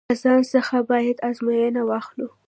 له ځان څخه باید ازموینه واخلو.